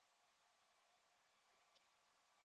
nyumbani Familia yetu ilikuwa na furaha